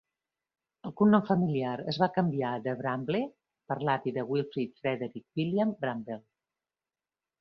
El cognom familiar es va canviar de "Bramble" per l'avi de Wilfrid, Frederick William Brambell.